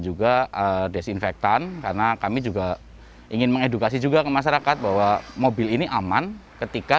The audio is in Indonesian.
juga desinfektan karena kami juga ingin mengedukasi juga ke masyarakat bahwa mobil ini aman ketika